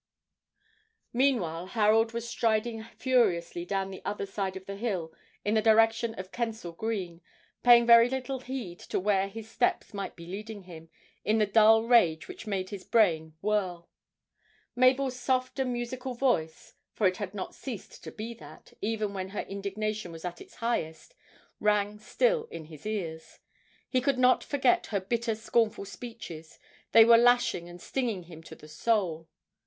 Meanwhile Harold was striding furiously down the other side of the hill in the direction of Kensal Green, paying very little heed where his steps might be leading him, in the dull rage which made his brain whirl. Mabel's soft and musical voice, for it had not ceased to be that, even when her indignation was at its highest, rang still in his ears. He could not forget her bitter scornful speeches; they were lashing and stinging him to the soul.